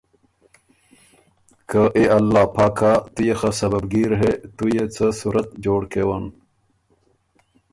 که ”اې الله پاکه تُو يې خه سبب ګیر هې تُو يې څه صورت جوړ کېون،